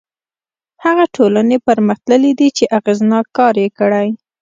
هغه ټولنې پرمختللي دي چې اغېزناک کار یې کړی.